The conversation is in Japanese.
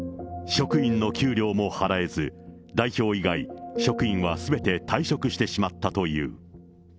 職員の給料も払えず、代表以外、職員はすべて退職してしまったという。